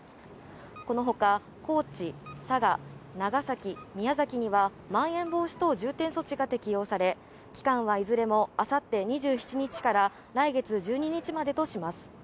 このほか高知、佐賀、長崎、宮崎にはまん延防止等重点措置が適用され、期間は、いずれも明後日２７日から来月１２日までとします。